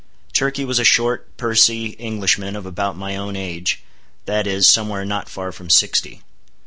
Turkey was a short, pursy Englishman of about my own age, that is, somewhere not far from sixty.